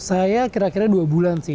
saya kira dua bulan sih